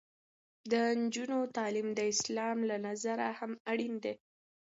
د نجونو تعلیم د اسلام له نظره هم اړین دی.